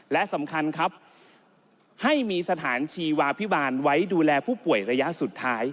และสำคัญครับให้มีสถานชีวาพิบาลไว้ดูแลผู้ป่วยระยะสุดท้าย